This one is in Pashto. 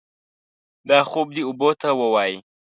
دا خوب دې اوبو ته ووايي.